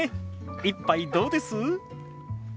一杯どうです？